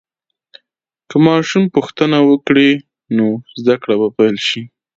که ماشوم پوښتنه وکړي، نو زده کړه به پیل شي.